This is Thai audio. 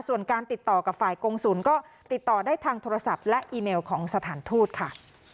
ส่วนการติดต่อกับฝ่ายกงศูนย์ก็ติดต่อได้ทางโทรศัพท์และอีเมลของสถานทูตค่ะ